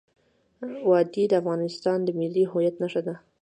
وادي د افغانستان د ملي هویت نښه ده.